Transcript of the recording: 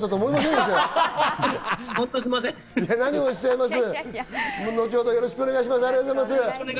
また後ほどよろしくお願いします。